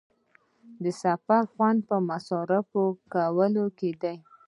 د سفر خوند پر مصارفو کولو کې دی.